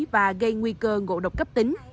và gây nguy cơ ngộ độc cấp tính